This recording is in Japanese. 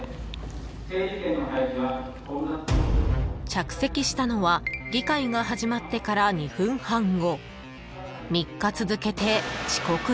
［着席したのは議会が始まってから２分半後］